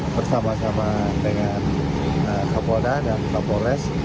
bersama sama dengan kapolda dan kapolres